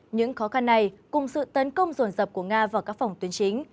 những khó khăn này cùng sự tấn công dồn dập của nga vào các phòng tuyến chính